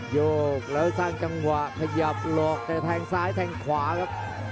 โยกแล้วสร้างจังหวะขยับหลอกแต่แทงซ้ายแทงขวาครับ